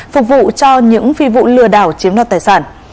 phục vụ cho những phi vụ lừa đảo chiếm đoạt tài sản